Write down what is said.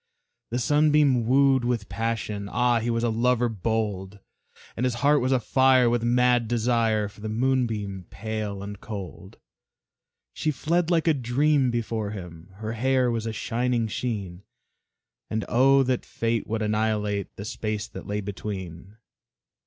The Sunbeam wooed with passion; Ah, he was a lover bold! And his heart was afire with mad desire For the Moonbeam pale and cold. She fled like a dream before him, Her hair was a shining sheen, And oh, that Fate would annihilate The space that lay between!